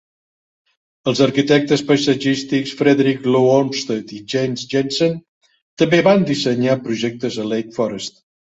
Els arquitectes paisatgístics Frederick Law Olmsted i Jens Jensen també van dissenyar projectes a Lake Forest.